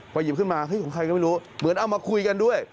พอหยิบขึ้นมาเฮ้ยของใครก็ไม่รู้เหมือนเอามาคุยกันด้วย